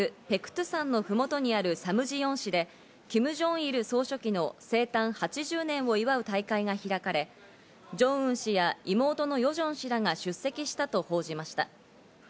ペクトゥ山のふもとにあるサムジヨン市で、キム・ジョンイル総書記の生誕８０年を祝う大会が開かれ、ジョンウン氏や妹のヨジョン氏らが出席したと報じました。